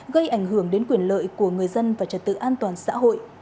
gây ảnh hưởng đến quyền lợi của người dân và trật tự an toàn xã hội